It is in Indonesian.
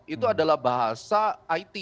itu adalah bahasa it